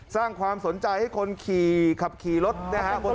สร้างความสนใจให้คนขี่ขับขี่รถนะฮะ